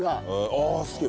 ああすげえ。